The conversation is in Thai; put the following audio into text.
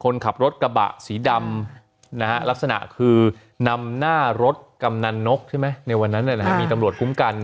ในวันนั้นมีตำรวจคุ้มกัน